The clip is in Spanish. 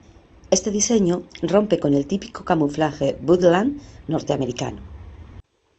Este diseño rompe con el típico camuflaje "Woodland" norteamericano.